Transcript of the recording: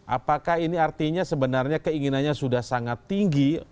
apakah ini artinya sebenarnya keinginannya sudah sangat tinggi